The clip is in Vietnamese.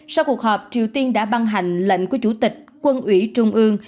sau cuộc họp triều tiên đã ban hành lệnh của chủ tịch quân ủy trung ương